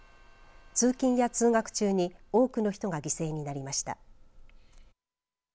通勤や通学中に多くの人が犠牲になりました。